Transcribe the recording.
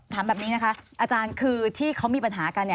ถามแบบนี้นะคะอาจารย์คือที่เขามีปัญหากัน